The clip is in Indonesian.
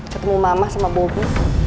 ketemu mama sama bobby